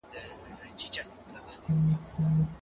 هغه په خپلو لاسو کې د لسي غوټه نوره هم کلکه کړه.